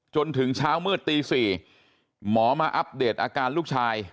จนถึงเช้ามืดตี๔หมอมาอัปเดตอาการลูกชาย